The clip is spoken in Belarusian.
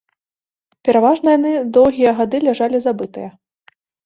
Пераважна яны доўгія гады ляжалі забытыя.